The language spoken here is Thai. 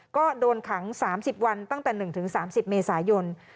ก็โดนขัง๓๐วันตั้งแต่๑๓๐เมษายน